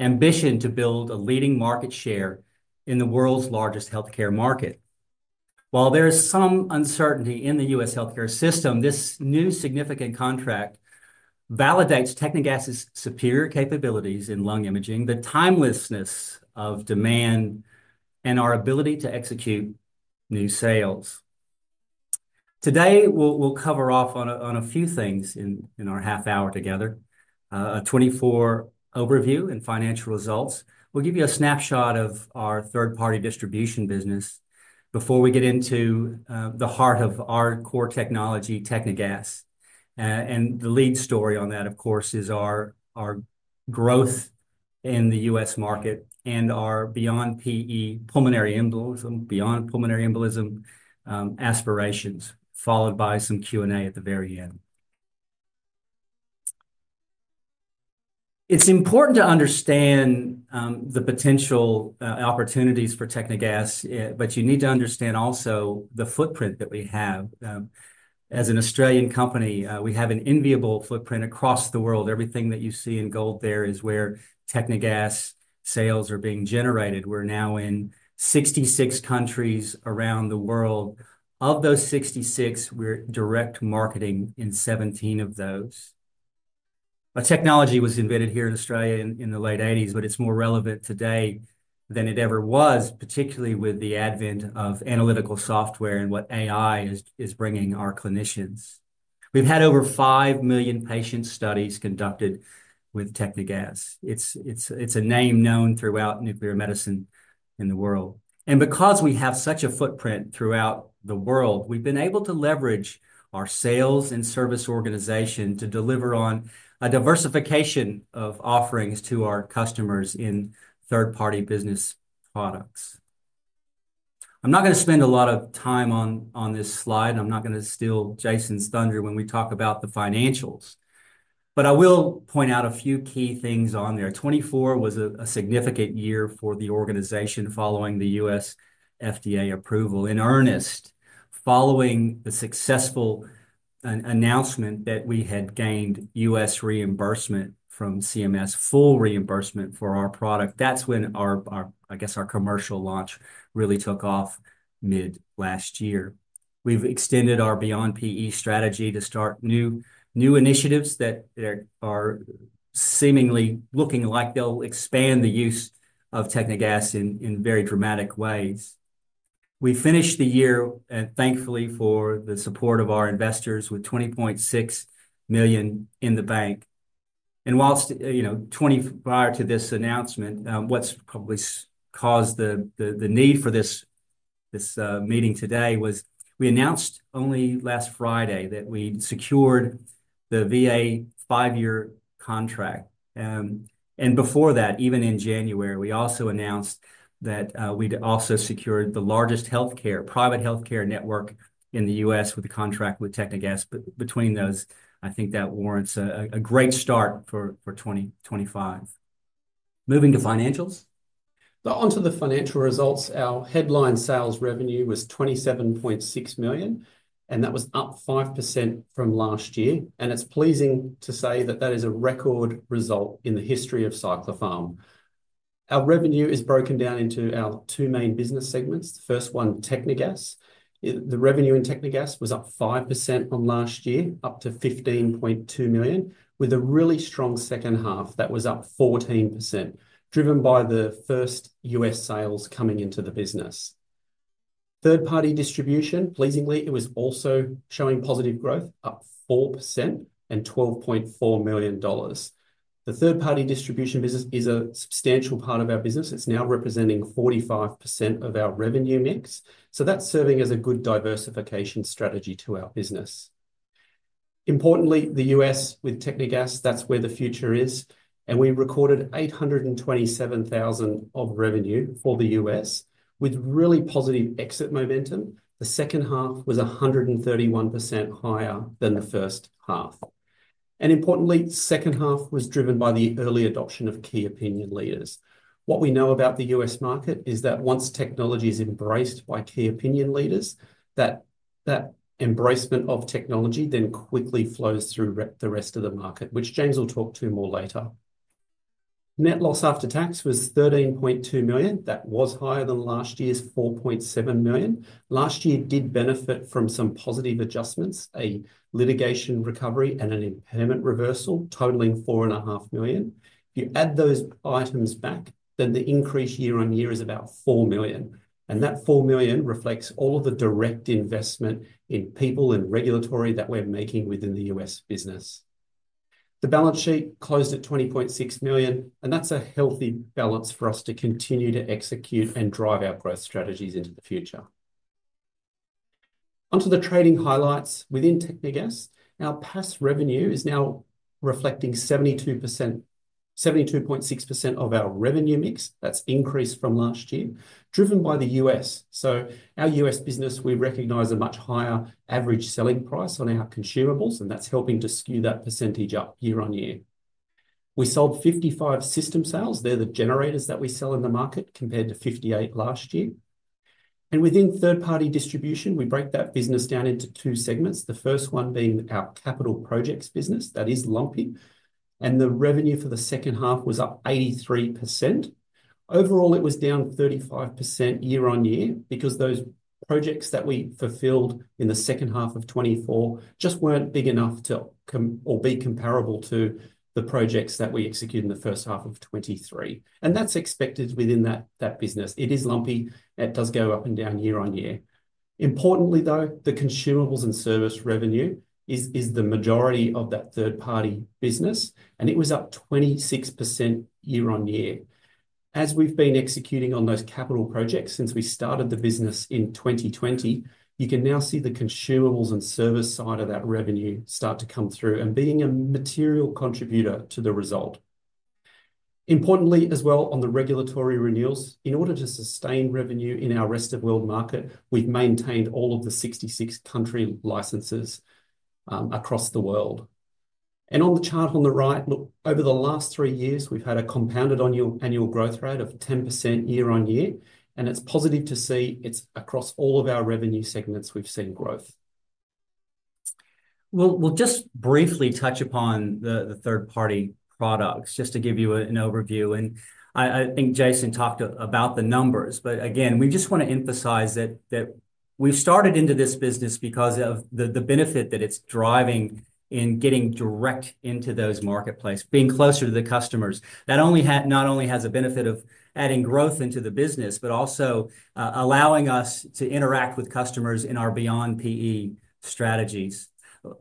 Ambition to build a leading market share in the world's largest healthcare market. While there is some uncertainty in the US healthcare system, this new significant contract validates Technegas's superior capabilities in lung imaging, the timelessness of demand, and our ability to execute new sales. Today, we'll cover off on a few things in our half hour together: a 24-hour overview and financial results. We'll give you a snapshot of our third-party distribution business before we get into the heart of our core technology, Technegas. The lead story on that, of course, is our growth in the US market and our beyond PE pulmonary embolism, beyond pulmonary embolism aspirations, followed by some Q&A at the very end. It's important to understand the potential opportunities for Technegas, but you need to understand also the footprint that we have. As an Australian company, we have an enviable footprint across the world. Everything that you see in gold there is where Technegas sales are being generated. We're now in 66 countries around the world. Of those 66, we're direct marketing in 17 of those. Our technology was invented here in Australia in the late 1980s, but it's more relevant today than it ever was, particularly with the advent of analytical software and what AI is bringing our clinicians. We've had over 5 million patient studies conducted with Technegas. It's a name known throughout nuclear medicine in the world. Because we have such a footprint throughout the world, we've been able to leverage our sales and service organization to deliver on a diversification of offerings to our customers in third-party business products. I'm not going to spend a lot of time on this slide, and I'm not going to steal Jason's thunder when we talk about the financials, but I will point out a few key things on there. 2024 was a significant year for the organization following the US FDA approval in earnest, following the successful announcement that we had gained US reimbursement from CMS, full reimbursement for our product. That's when our, I guess, our commercial launch really took off mid-last year. We've extended our beyond PE strategy to start new initiatives that are seemingly looking like they'll expand the use of Technegas in very dramatic ways. We finished the year, and thankfully for the support of our investors, with 20.6 million in the bank. While, you know, prior to this announcement, what's probably caused the need for this meeting today was we announced only last Friday that we secured the VA five-year contract. Before that, even in January, we also announced that we'd also secured the largest private healthcare network in the US with a contract with Technegas. Between those, I think that warrants a great start for 2025. Moving to financials. Onto the financial results. Our headline sales revenue was $27.6 million, and that was up 5% from last year. It's pleasing to say that that is a record result in the history of Cyclopharm. Our revenue is broken down into our two main business segments. The first one, Technegas. The revenue in Technegas was up 5% from last year, up to $15.2 million, with a really strong second half that was up 14%, driven by the first US sales coming into the business. Third-party distribution, pleasingly, it was also showing positive growth, up 4% and $12.4 million. The third-party distribution business is a substantial part of our business. It's now representing 45% of our revenue mix. That's serving as a good diversification strategy to our business. Importantly, the US with Technegas, that's where the future is. We recorded $827,000 of revenue for the US with really positive exit momentum. The second half was 131% higher than the first half. Importantly, the second half was driven by the early adoption of key opinion leaders. What we know about the US market is that once technology is embraced by key opinion leaders, that embracement of technology then quickly flows through the rest of the market, which James will talk to more later. Net loss after tax was $13.2 million. That was higher than last year's $4.7 million. Last year did benefit from some positive adjustments, a litigation recovery and an impairment reversal totaling $4.5 million. If you add those items back, then the increase year-on-year is about $4 million. That $4 million reflects all of the direct investment in people and regulatory that we're making within the US business. The balance sheet closed at 20.6 million, and that's a healthy balance for us to continue to execute and drive our growth strategies into the future. Onto the trading highlights within Technegas. Our past revenue is now reflecting 72.6% of our revenue mix. That's increased from last year, driven by the US Our US business, we recognize a much higher average selling price on our consumables, and that's helping to skew that percentage up year-on-year. We sold 55 system sales. They're the generators that we sell in the market compared to 58 last year. Within third-party distribution, we break that business down into two segments, the first one being our capital projects business. That is lumpy. The revenue for the second half was up 83%. Overall, it was down 35% year-on-year because those projects that we fulfilled in the second half of 2024 just were not big enough to or be comparable to the projects that we execute in the first half of 2023. That is expected within that business. It is lumpy. It does go up and down year-on-year. Importantly, though, the consumables and service revenue is the majority of that third-party business, and it was up 26% year-on-year. As we have been executing on those capital projects since we started the business in 2020, you can now see the consumables and service side of that revenue start to come through and being a material contributor to the result. Importantly as well, on the regulatory renewals, in order to sustain revenue in our rest of world market, we have maintained all of the 66 country licenses across the world. On the chart on the right, look, over the last three years, we've had a compounded annual growth rate of 10% year-on-year, and it's positive to see it's across all of our revenue segments we've seen growth. We'll just briefly touch upon the third-party products just to give you an overview. I think Jason talked about the numbers, but again, we just want to emphasize that we've started into this business because of the benefit that it's driving in getting direct into those marketplace, being closer to the customers. That not only has a benefit of adding growth into the business, but also allowing us to interact with customers in our beyond PE strategies.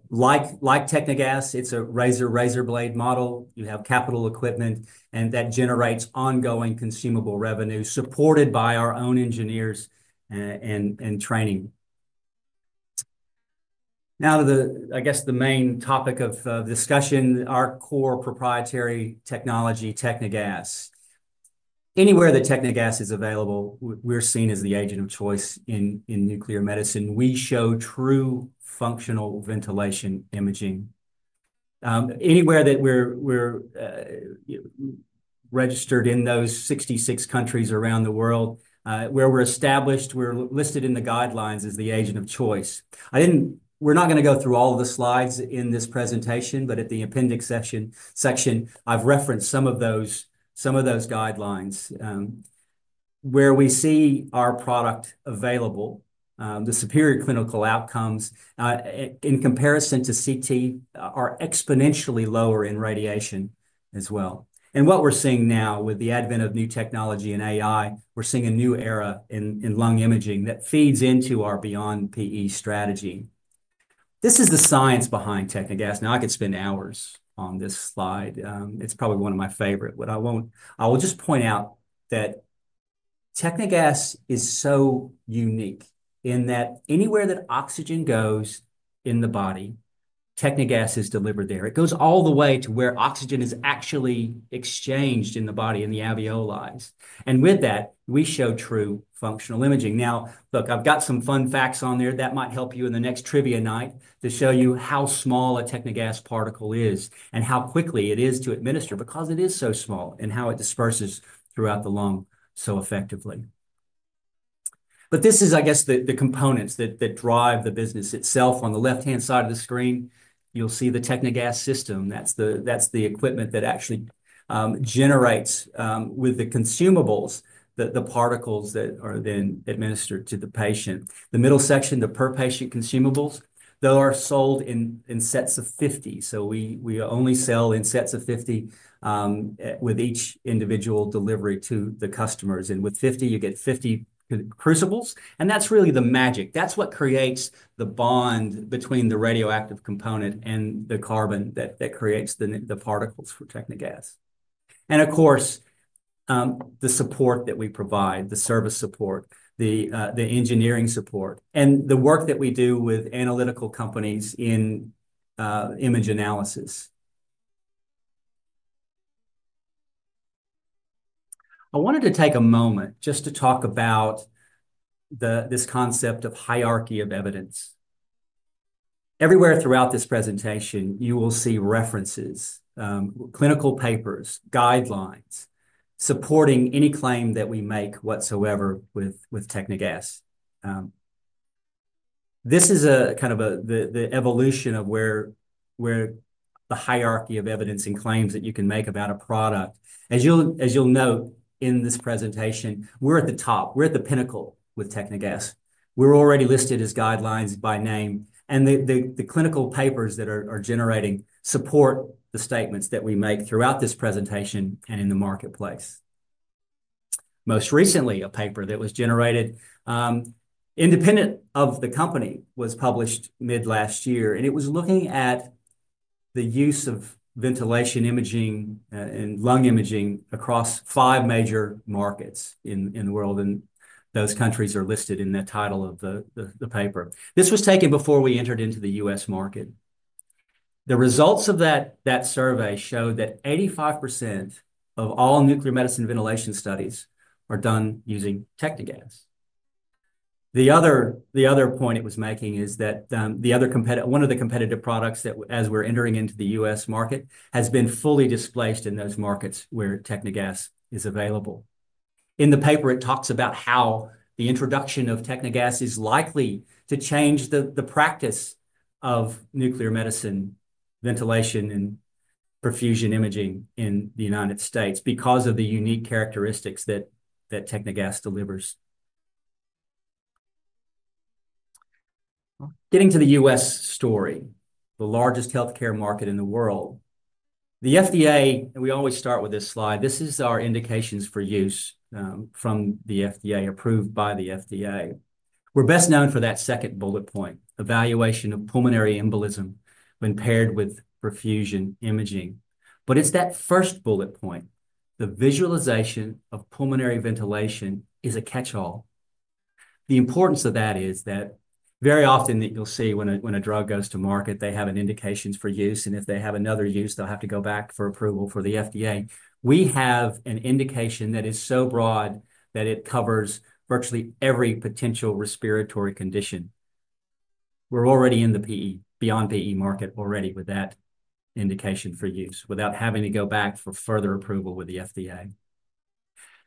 Like Technegas, it's a razor razor blade model. You have capital equipment, and that generates ongoing consumable revenue supported by our own engineers and training. Now to the, I guess, the main topic of discussion, our core proprietary technology, Technegas. Anywhere that Technegas is available, we're seen as the agent of choice in nuclear medicine. We show true functional ventilation imaging. Anywhere that we're registered in those 66 countries around the world, where we're established, we're listed in the guidelines as the agent of choice. We're not going to go through all of the slides in this presentation, but at the appendix section, I've referenced some of those guidelines where we see our product available. The superior clinical outcomes in comparison to CT are exponentially lower in radiation as well. What we're seeing now with the advent of new technology and AI, we're seeing a new era in lung imaging that feeds into our beyond PE strategy. This is the science behind Technegas. Now, I could spend hours on this slide. It's probably one of my favorites, but I will just point out that Technegas is so unique in that anywhere that oxygen goes in the body, Technegas is delivered there. It goes all the way to where oxygen is actually exchanged in the body in the alveoli. With that, we show true functional imaging. Now, look, I've got some fun facts on there that might help you in the next trivia night to show you how small a Technegas particle is and how quickly it is to administer because it is so small and how it disperses throughout the lung so effectively. This is, I guess, the components that drive the business itself. On the left-hand side of the screen, you'll see the Technegas system. That's the equipment that actually generates, with the consumables, the particles that are then administered to the patient. The middle section, the per patient consumables, though, are sold in sets of 50. We only sell in sets of 50 with each individual delivery to the customers. With 50, you get 50 crucibles. That is really the magic. That is what creates the bond between the radioactive component and the carbon that creates the particles for Technegas. Of course, the support that we provide, the service support, the engineering support, and the work that we do with analytical companies in image analysis. I wanted to take a moment just to talk about this concept of hierarchy of evidence. Everywhere throughout this presentation, you will see references, clinical papers, guidelines supporting any claim that we make whatsoever with Technegas. This is kind of the evolution of where the hierarchy of evidence and claims that you can make about a product. As you will note in this presentation, we are at the top. We are at the pinnacle with Technegas. We are already listed as guidelines by name. The clinical papers that are generating support the statements that we make throughout this presentation and in the marketplace. Most recently, a paper that was generated independent of the company was published mid-last year, and it was looking at the use of ventilation imaging and lung imaging across five major markets in the world. Those countries are listed in the title of the paper. This was taken before we entered into the US market. The results of that survey showed that 85% of all nuclear medicine ventilation studies are done using Technegas. The other point it was making is that one of the competitive products that, as we're entering into the US market, has been fully displaced in those markets where Technegas is available. In the paper, it talks about how the introduction of Technegas is likely to change the practice of nuclear medicine ventilation and perfusion imaging in the United States because of the unique characteristics that Technegas delivers. Getting to the US story, the largest healthcare market in the world, the FDA, and we always start with this slide. This is our indications for use from the FDA, approved by the FDA. We're best known for that second bullet point, evaluation of pulmonary embolism when paired with perfusion imaging. It's that first bullet point, the visualization of pulmonary ventilation is a catch-all. The importance of that is that very often that you'll see when a drug goes to market, they have an indications for use, and if they have another use, they'll have to go back for approval for the FDA. We have an indication that is so broad that it covers virtually every potential respiratory condition. We're already in the beyond PE market already with that indication for use without having to go back for further approval with the FDA.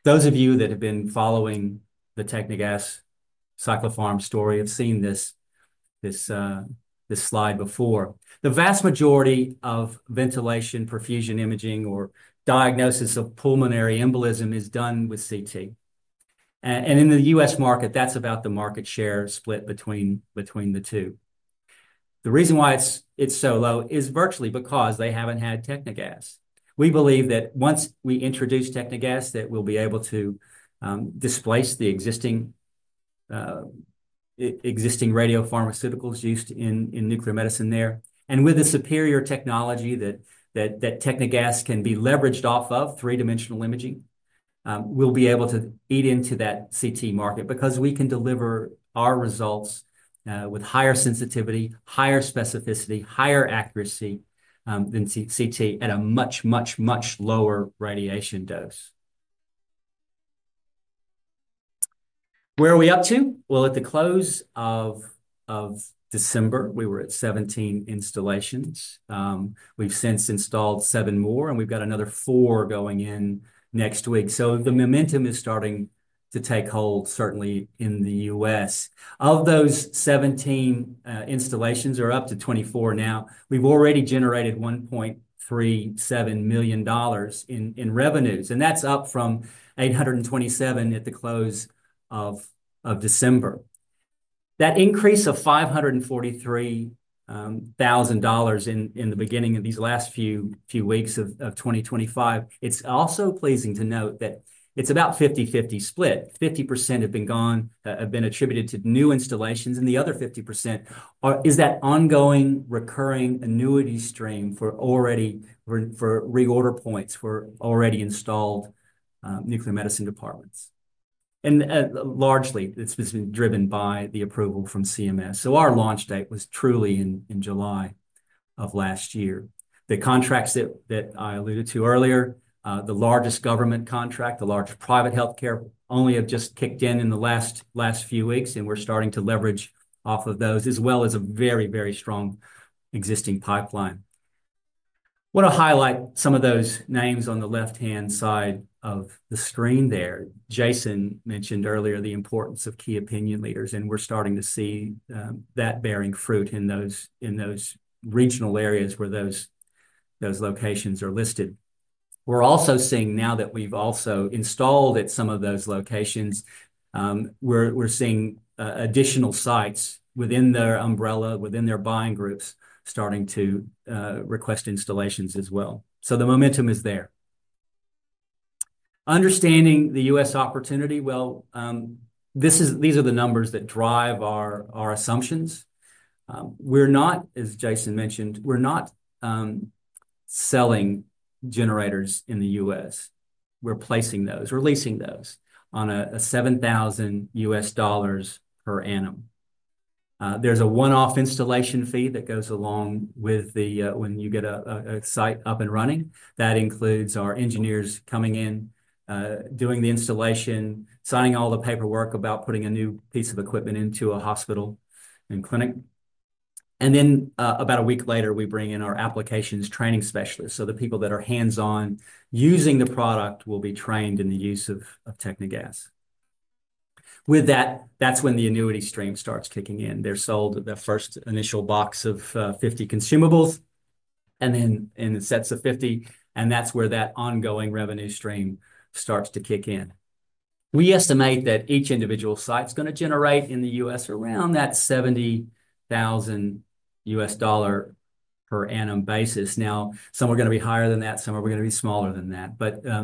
Those of you that have been following the Technegas Cyclopharm story have seen this slide before. The vast majority of ventilation-perfusion imaging or diagnosis of pulmonary embolism is done with CT. In the US market, that's about the market share split between the two. The reason why it's so low is virtually because they haven't had Technegas. We believe that once we introduce Technegas, that we'll be able to displace the existing radiopharmaceuticals used in nuclear medicine there. With the superior technology that Technegas can be leveraged off of, three-dimensional imaging, we'll be able to eat into that CT market because we can deliver our results with higher sensitivity, higher specificity, higher accuracy than CT at a much, much, much lower radiation dose. Where are we up to? At the close of December, we were at 17 installations. We've since installed seven more, and we've got another four going in next week. The momentum is starting to take hold, certainly in the US Of those 17 installations, there are up to 24 now. We've already generated $1.37 million in revenues, and that's up from $827,000 at the close of December. That increase of $543,000 in the beginning of these last few weeks of 2025, it's also pleasing to note that it's about 50/50 split. 50% have been attributed to new installations, and the other 50% is that ongoing recurring annuity stream for reorder points for already installed nuclear medicine departments. Largely, this has been driven by the approval from CMS. Our launch date was truly in July of last year. The contracts that I alluded to earlier, the largest government contract, the largest private healthcare only have just kicked in in the last few weeks, and we're starting to leverage off of those as well as a very, very strong existing pipeline. I want to highlight some of those names on the left-hand side of the screen there. Jason mentioned earlier the importance of key opinion leaders, and we're starting to see that bearing fruit in those regional areas where those locations are listed. We're also seeing now that we've also installed at some of those locations, we're seeing additional sites within their umbrella, within their buying groups, starting to request installations as well. The momentum is there. Understanding the US opportunity, these are the numbers that drive our assumptions. We're not, as Jason mentioned, we're not selling generators in the US We're placing those, releasing those on a $7,000 per annum. There's a one-off installation fee that goes along with when you get a site up and running. That includes our engineers coming in, doing the installation, signing all the paperwork about putting a new piece of equipment into a hospital and clinic. About a week later, we bring in our applications training specialists. The people that are hands-on using the product will be trained in the use of Technegas. With that, that's when the annuity stream starts kicking in. They're sold the first initial box of 50 consumables and then in sets of 50, and that's where that ongoing revenue stream starts to kick in. We estimate that each individual site's going to generate in the US around that $70,000 per annum basis. Now, some are going to be higher than that. Some are going to be smaller than that.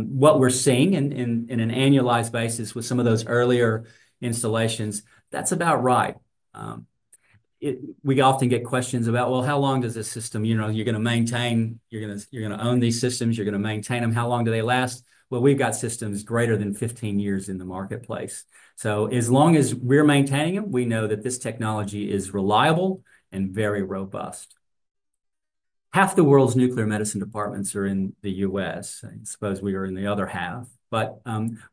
What we're seeing in an annualized basis with some of those earlier installations, that's about right. We often get questions about, well, how long does this system you're going to maintain? You're going to own these systems. You're going to maintain them. How long do they last? We've got systems greater than 15 years in the marketplace. As long as we're maintaining them, we know that this technology is reliable and very robust. Half the world's nuclear medicine departments are in the US I suppose we are in the other half, but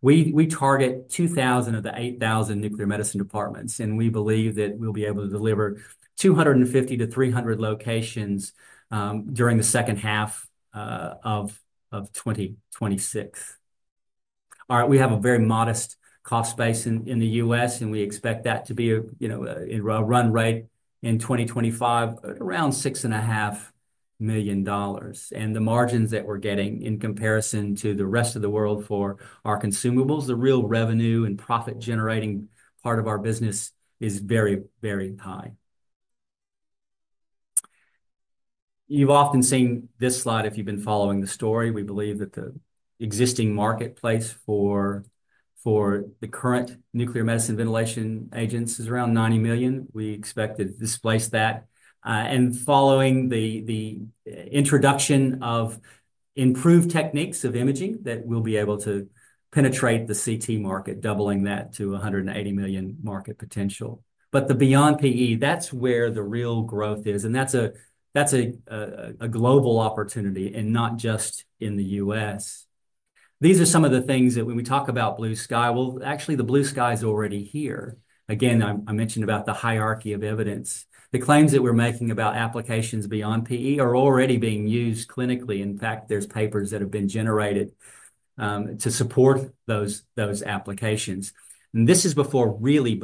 we target 2,000 of the 8,000 nuclear medicine departments, and we believe that we'll be able to deliver 250-300 locations during the second half of 2026. All right, we have a very modest cost space in the US, and we expect that to be a run rate in 2025, around $6.5 million. The margins that we're getting in comparison to the rest of the world for our consumables, the real revenue and profit-generating part of our business, is very, very high. You've often seen this slide if you've been following the story. We believe that the existing marketplace for the current nuclear medicine ventilation agents is around $90 million. We expect to displace that. Following the introduction of improved techniques of imaging, that we'll be able to penetrate the CT market, doubling that to a $180 million market potential. The beyond PE, that's where the real growth is. That's a global opportunity and not just in the US These are some of the things that when we talk about blue sky, actually, the blue sky is already here. Again, I mentioned about the hierarchy of evidence. The claims that we're making about applications beyond PE are already being used clinically. In fact, there's papers that have been generated to support those applications. This is before really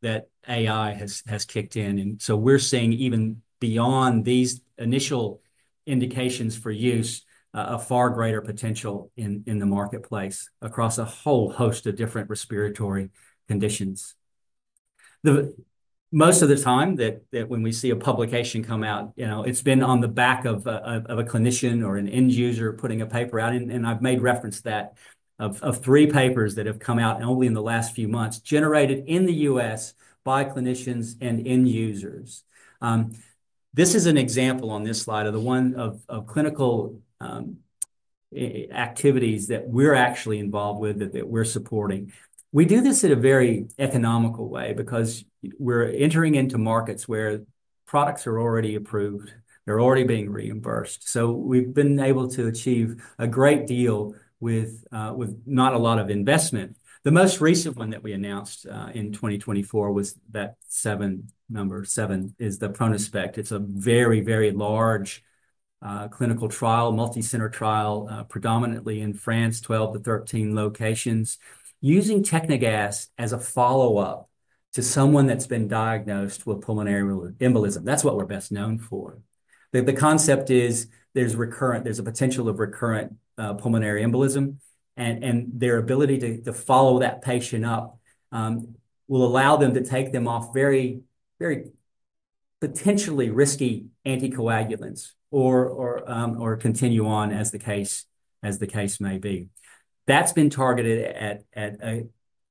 that AI has kicked in. We're seeing even beyond these initial indications for use a far greater potential in the marketplace across a whole host of different respiratory conditions. Most of the time that when we see a publication come out, it's been on the back of a clinician or an end user putting a paper out. I've made reference to that of three papers that have come out only in the last few months, generated in the US by clinicians and end users. This is an example on this slide of the one of clinical activities that we're actually involved with that we're supporting. We do this in a very economical way because we're entering into markets where products are already approved. They're already being reimbursed. We've been able to achieve a great deal with not a lot of investment. The most recent one that we announced in 2024 was that seven number, seven is the Pronospect. It's a very, very large clinical trial, multi-center trial, predominantly in France, 12 to 13 locations, using Technegas as a follow-up to someone that's been diagnosed with pulmonary embolism. That's what we're best known for. The concept is there's a potential of recurrent pulmonary embolism, and their ability to follow that patient up will allow them to take them off very, very potentially risky anticoagulants or continue on as the case may be. That's been targeted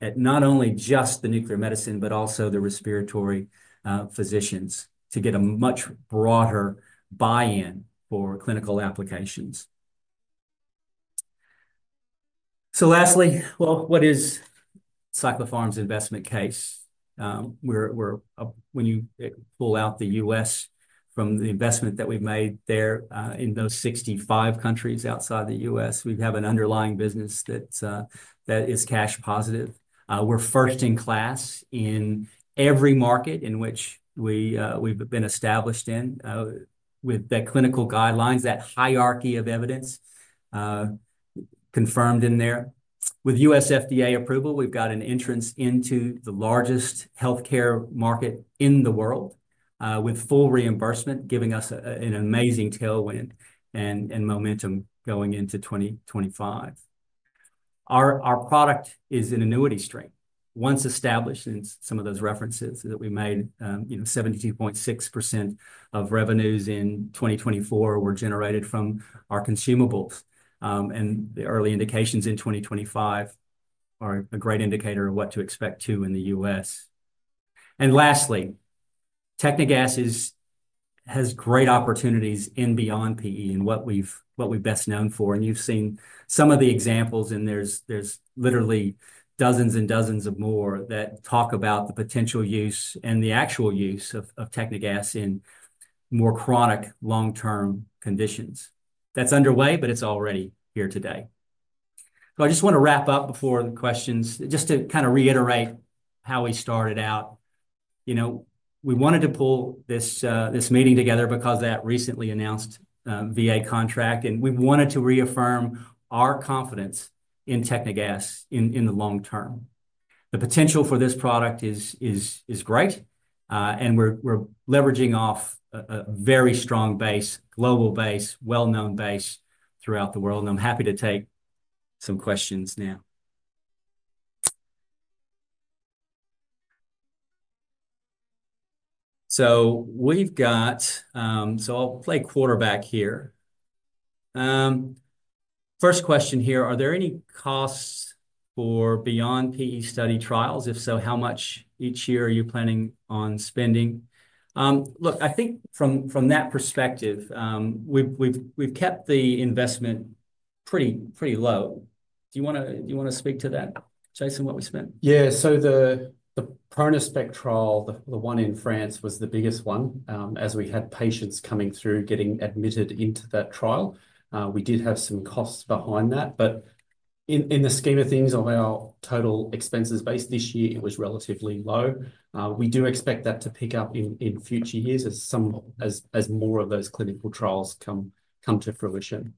at not only just the nuclear medicine, but also the respiratory physicians to get a much broader buy-in for clinical applications. Lastly, what is Cyclopharm's investment case? When you pull out the US from the investment that we've made there in those 65 countries outside the US, we have an underlying business that is cash positive. We're first in class in every market in which we've been established in with the clinical guidelines, that hierarchy of evidence confirmed in there. With US FDA approval, we've got an entrance into the largest healthcare market in the world with full reimbursement, giving us an amazing tailwind and momentum going into 2025. Our product is an annuity stream. Once established in some of those references that we made, 72.6% of revenues in 2024 were generated from our consumables. The early indications in 2025 are a great indicator of what to expect too in the US Lastly, Technegas has great opportunities in beyond PE and what we've best known for. You've seen some of the examples, and there's literally dozens and dozens of more that talk about the potential use and the actual use of Technegas in more chronic long-term conditions. That's underway, but it's already here today. I just want to wrap up before the questions, just to kind of reiterate how we started out. We wanted to pull this meeting together because of that recently announced VA contract, and we wanted to reaffirm our confidence in Technegas in the long term. The potential for this product is great, and we're leveraging off a very strong base, global base, well-known base throughout the world. I'm happy to take some questions now. I'll play quarterback here. First question here, are there any costs for Beyond PE study trials? If so, how much each year are you planning on spending? Look, I think from that perspective, we've kept the investment pretty low. Do you want to speak to that, Jason, what we spent? Yeah. The Pronospect trial, the one in France, was the biggest one as we had patients coming through, getting admitted into that trial. We did have some costs behind that, but in the scheme of things of our total expenses based this year, it was relatively low. We do expect that to pick up in future years as more of those clinical trials come to fruition.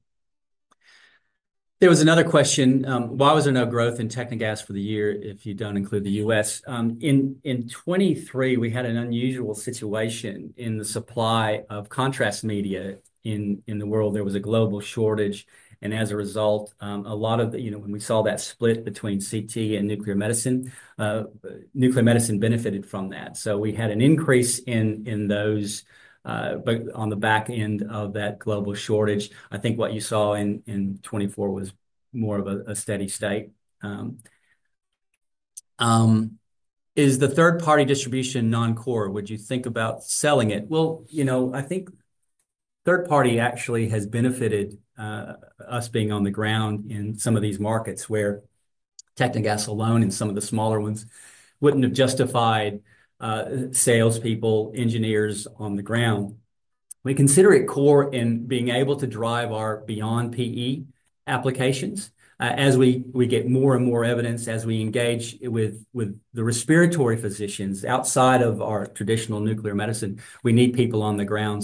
There was another question. Why was there no growth in Technegas for the year if you do not include the US? In 2023, we had an unusual situation in the supply of contrast media in the world. There was a global shortage. As a result, a lot of when we saw that split between CT and nuclear medicine, nuclear medicine benefited from that. We had an increase in those on the back end of that global shortage. I think what you saw in 2024 was more of a steady state. Is the third-party distribution non-core? Would you think about selling it? I think third-party actually has benefited us being on the ground in some of these markets where Technegas alone and some of the smaller ones would not have justified salespeople, engineers on the ground. We consider it core in being able to drive our beyond PE applications. As we get more and more evidence, as we engage with the respiratory physicians outside of our traditional nuclear medicine, we need people on the ground.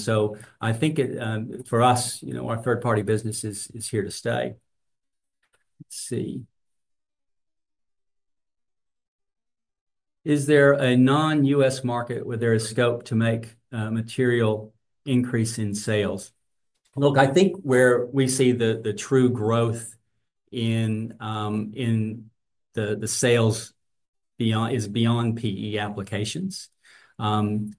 I think for us, our third-party business is here to stay. Let's see. Is there a non-US market where there is scope to make a material increase in sales? Look, I think where we see the true growth in the sales is beyond PE applications.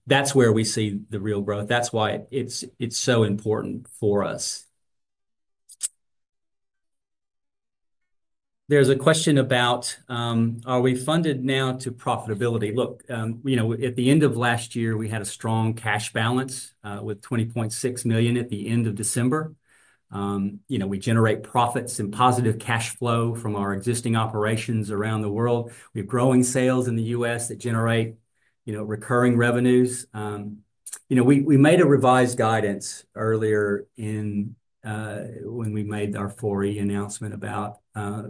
That's where we see the real growth. That's why it's so important for us. There's a question about, are we funded now to profitability? Look, at the end of last year, we had a strong cash balance with $20.6 million at the end of December. We generate profits and positive cash flow from our existing operations around the world. We have growing sales in the US that generate recurring revenues. We made a revised guidance earlier when we made our 4E announcement about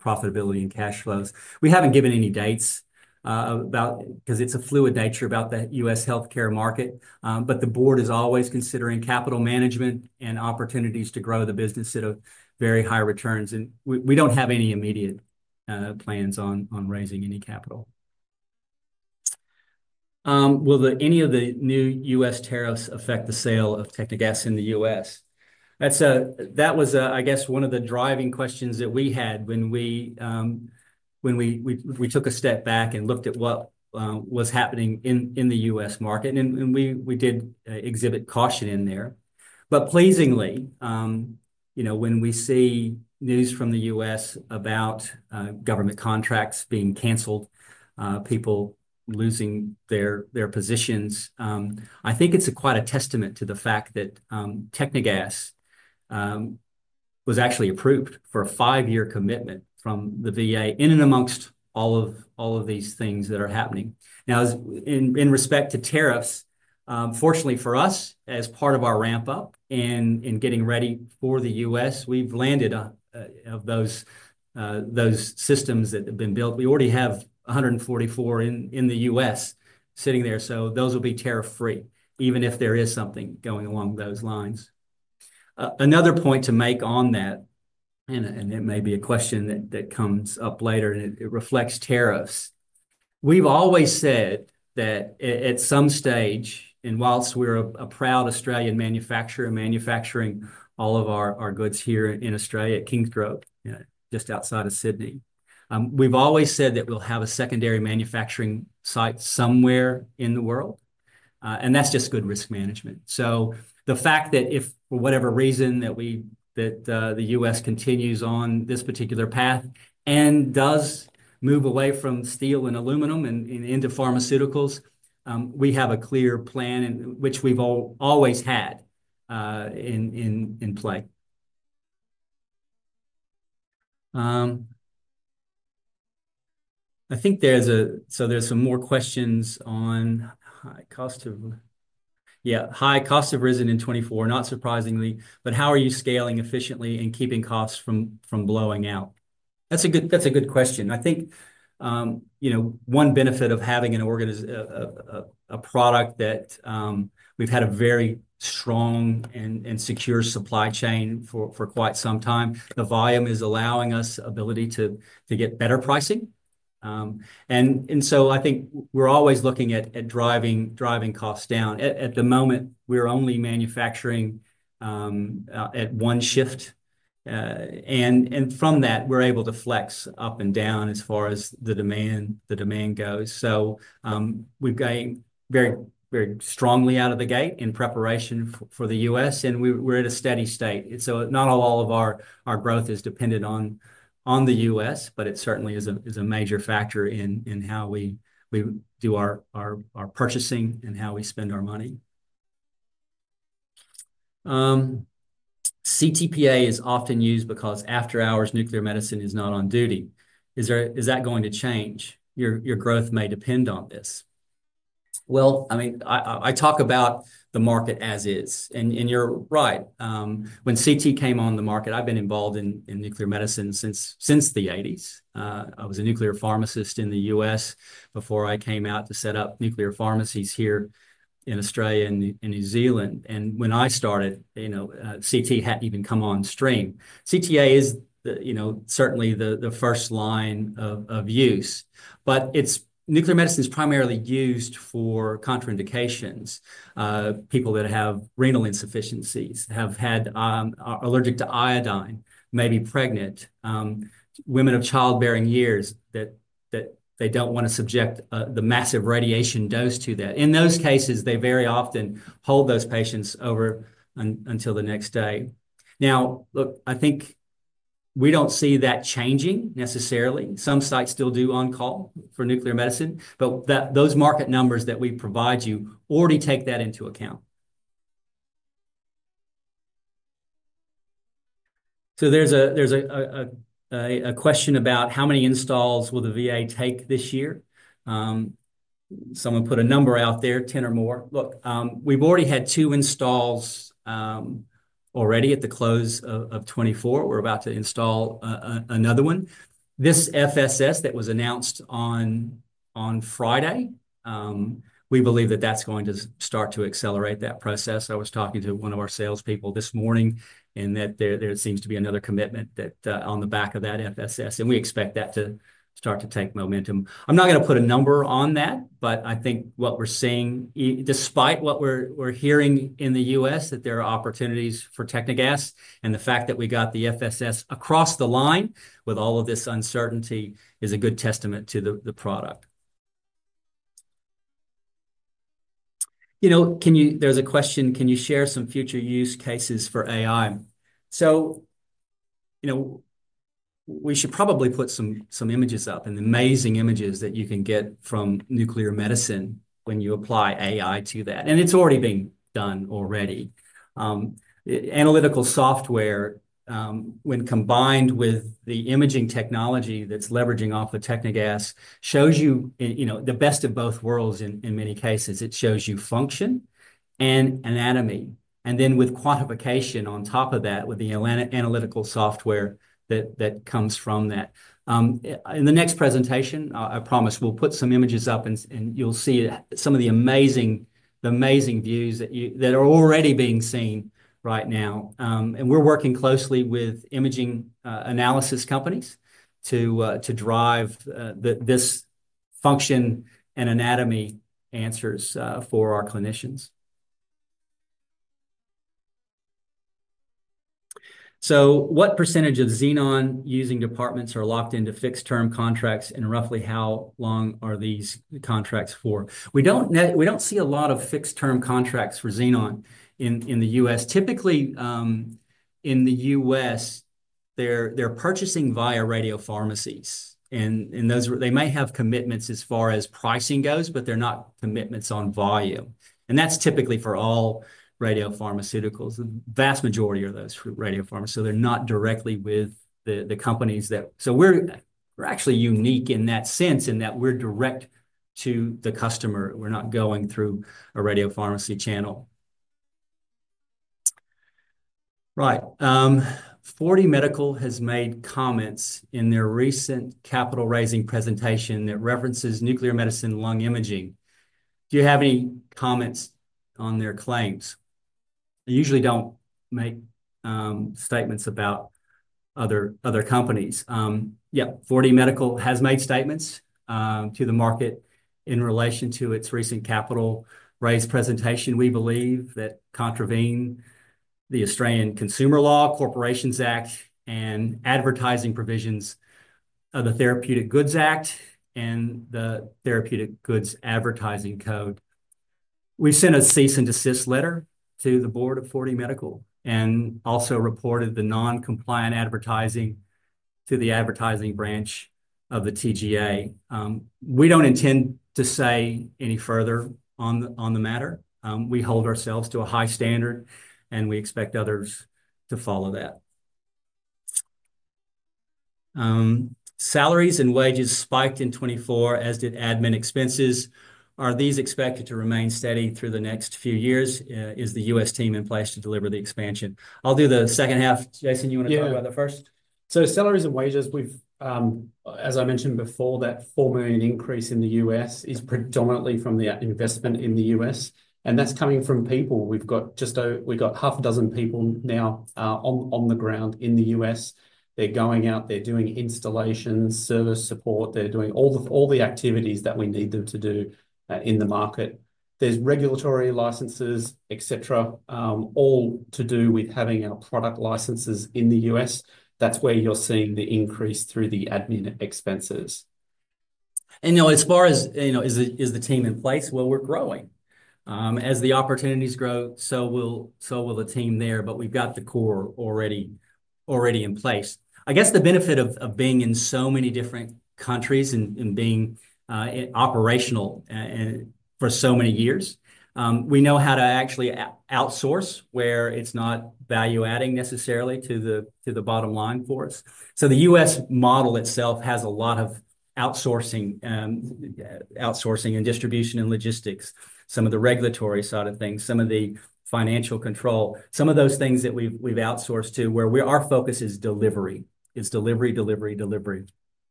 profitability and cash flows. We haven't given any dates because it's a fluid nature about the US healthcare market. The board is always considering capital management and opportunities to grow the business at very high returns. We don't have any immediate plans on raising any capital. Will any of the new US tariffs affect the sale of Technegas in the US? That was, I guess, one of the driving questions that we had when we took a step back and looked at what was happening in the US market. We did exhibit caution in there. Pleasingly, when we see news from the US about government contracts being canceled, people losing their positions, I think it's quite a testament to the fact that Technegas was actually approved for a five-year commitment from the VA in and amongst all of these things that are happening. Now, in respect to tariffs, fortunately for us, as part of our ramp-up and getting ready for the US, we've landed those systems that have been built. We already have 144 in the US sitting there. Those will be tariff-free, even if there is something going along those lines. Another point to make on that, and it may be a question that comes up later, and it reflects tariffs. We've always said that at some stage, and whilst we're a proud Australian manufacturer manufacturing all of our goods here in Australia at Kingsgrove, just outside of Sydney, we've always said that we'll have a secondary manufacturing site somewhere in the world. That's just good risk management. The fact that if for whatever reason the US continues on this particular path and does move away from steel and aluminum and into pharmaceuticals, we have a clear plan, which we've always had in play. I think there's some more questions on high cost of yeah, high cost of risen in 2024, not surprisingly. How are you scaling efficiently and keeping costs from blowing out? That's a good question. I think one benefit of having a product that we've had a very strong and secure supply chain for quite some time, the volume is allowing us the ability to get better pricing. I think we're always looking at driving costs down. At the moment, we're only manufacturing at one shift. From that, we're able to flex up and down as far as the demand goes. We've gotten very strongly out of the gate in preparation for the US We are at a steady state. Not all of our growth is dependent on the US, but it certainly is a major factor in how we do our purchasing and how we spend our money. CTPA is often used because after-hours nuclear medicine is not on duty. Is that going to change? Your growth may depend on this. I mean, I talk about the market as is. And you're right. When CT came on the market, I've been involved in nuclear medicine since the 1980s. I was a nuclear pharmacist in the US before I came out to set up nuclear pharmacies here in Australia and New Zealand. When I started, CT had not even come on stream. CTA is certainly the first line of use. Nuclear medicine is primarily used for contraindications. People that have renal insufficiencies, have had allergic to iodine, maybe pregnant, women of childbearing years that they do not want to subject the massive radiation dose to that. In those cases, they very often hold those patients over until the next day. Now, look, I think we do not see that changing necessarily. Some sites still do on-call for nuclear medicine. Those market numbers that we provide you already take that into account. There's a question about how many installs will the VA take this year. Someone put a number out there, 10 or more. Look, we've already had two installs already at the close of 2024. We're about to install another one. This FSS that was announced on Friday, we believe that that's going to start to accelerate that process. I was talking to one of our salespeople this morning and there seems to be another commitment on the back of that FSS. We expect that to start to take momentum. I'm not going to put a number on that, but I think what we're seeing, despite what we're hearing in the US, is that there are opportunities for Technegas. The fact that we got the FSS across the line with all of this uncertainty is a good testament to the product. There's a question, can you share some future use cases for AI? We should probably put some images up and the amazing images that you can get from nuclear medicine when you apply AI to that. It's already been done already. Analytical software, when combined with the imaging technology that's leveraging off of Technegas, shows you the best of both worlds in many cases. It shows you function and anatomy. With quantification on top of that, with the analytical software that comes from that. In the next presentation, I promise we'll put some images up, and you'll see some of the amazing views that are already being seen right now. We're working closely with imaging analysis companies to drive this function and anatomy answers for our clinicians. What percentage of Xenon using departments are locked into fixed-term contracts, and roughly how long are these contracts for? We don't see a lot of fixed-term contracts for Xenon in the US Typically, in the US, they're purchasing via radiopharmacies. They may have commitments as far as pricing goes, but they're not commitments on volume. That's typically for all radiopharmaceuticals. The vast majority are those for radiopharmacy. They're not directly with the companies, so we're actually unique in that sense in that we're direct to the customer. We're not going through a radiopharmacy channel. Right. 4D Medical has made comments in their recent capital-raising presentation that references nuclear medicine lung imaging. Do you have any comments on their claims? They usually don't make statements about other companies. Yep, 4D Medical has made statements to the market in relation to its recent capital-raise presentation. We believe that contravene the Australian Consumer Law, Corporations Act, and advertising provisions of the Therapeutic Goods Act and the Therapeutic Goods Advertising Code. We sent a cease and desist letter to the board of 4D Medical and also reported the non-compliant advertising to the advertising branch of the TGA. We do not intend to say any further on the matter. We hold ourselves to a high standard, and we expect others to follow that. Salaries and wages spiked in 2024, as did admin expenses. Are these expected to remain steady through the next few years? Is the US team in place to deliver the expansion? I will do the second half. Jason, you want to talk about that first? Salaries and wages, as I mentioned before, that $4 million increase in the US is predominantly from the investment in the US And that is coming from people. We've got half a dozen people now on the ground in the US They're going out. They're doing installation, service support. They're doing all the activities that we need them to do in the market. There's regulatory licenses, etc., all to do with having our product licenses in the US That's where you're seeing the increase through the admin expenses. As far as is the team in place? We're growing. As the opportunities grow, so will the team there. We've got the core already in place. I guess the benefit of being in so many different countries and being operational for so many years, we know how to actually outsource where it's not value-adding necessarily to the bottom line for us. The US model itself has a lot of outsourcing and distribution and logistics, some of the regulatory side of things, some of the financial control, some of those things that we've outsourced to where our focus is delivery, is delivery, delivery, delivery.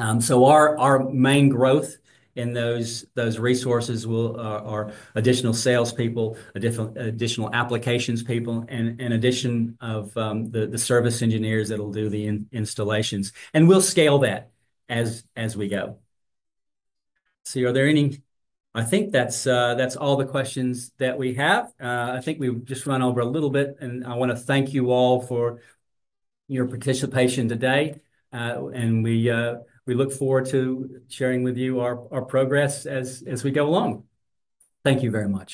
Our main growth in those resources are additional salespeople, additional applications people, and addition of the service engineers that will do the installations. We'll scale that as we go. I think that's all the questions that we have. I think we've just run over a little bit. I want to thank you all for your participation today. We look forward to sharing with you our progress as we go along. Thank you very much.